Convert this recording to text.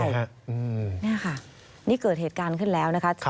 นี่ค่ะนี่เกิดเหตุการณ์ขึ้นแล้วนะคะ